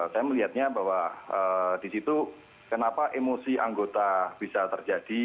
saya melihatnya bahwa di situ kenapa emosi anggota bisa terjadi